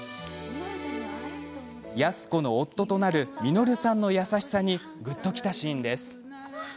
安子の夫となる稔さんの優しさにぐっときたシーンです。